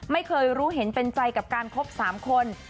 ไม่เคยรู้เห็นเป็นใจกับการคบ๓คน